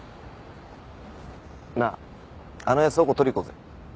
なああの絵倉庫取り行こうぜ。